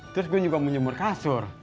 terus gue juga mau nyemur kasur